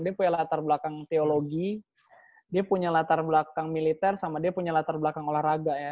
dia punya latar belakang teologi dia punya latar belakang militer sama dia punya latar belakang olahraga ya